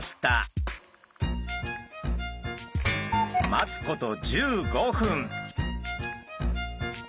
待つこと１５分。